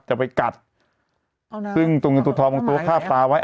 จะไปกัดซึ่งตัวเงินตัวทองบางตัวคาบปลาไว้